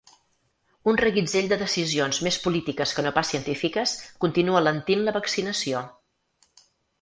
Un reguitzell de decisions més polítiques que no pas científiques continua alentint la vaccinació.